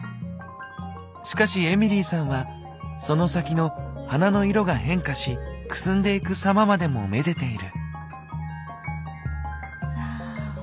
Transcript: しかしエミリーさんはその先の花の色が変化しくすんでいく様までも愛でている。